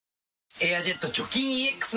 「エアジェット除菌ＥＸ」